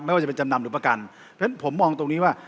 ไม่ว่าจะเป็นจำนำหรือประกันขึ้นผมมองตรงนี้ว่า